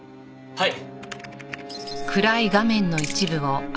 はい。